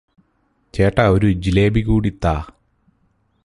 ചേട്ടാ ഒരു ജിലേബി കൂടി താ